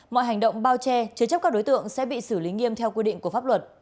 mọi hành động bao che chứa chấp các đối tượng sẽ bị xử lý nghiêm theo quy định của pháp luật